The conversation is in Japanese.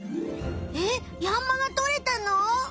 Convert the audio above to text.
えっヤンマがとれたの？